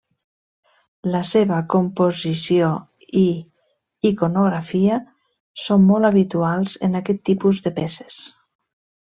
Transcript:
La seva composició i iconografia són molt habituals en aquest tipus de peces.